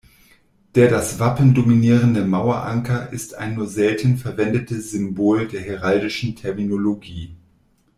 Der das Wappen dominierende Maueranker ist ein nur selten verwendetes Symbol der heraldischen Terminologie.